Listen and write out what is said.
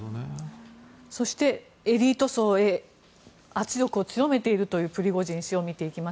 そして、エリート層へ圧力を強めているというプリゴジン氏を見ていきます。